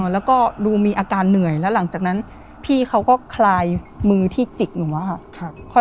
แล้วก็ดูมีอาการเหนื่อยแล้วหลังจากนั้นพี่เขาก็คลายมือที่จิกหนูอะค่ะ